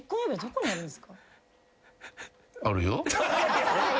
あるよ。